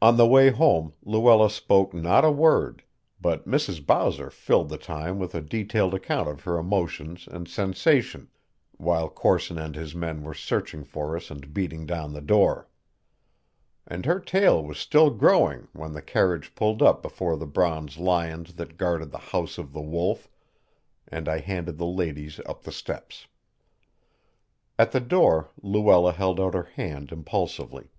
On the way home Luella spoke not a word, but Mrs. Bowser filled the time with a detailed account of her emotions and sensations while Corson and his men were searching for us and beating down the door. And her tale was still growing when the carriage pulled up before the bronze lions that guarded the house of the Wolf, and I handed the ladies up the steps. At the door Luella held out her hand impulsively.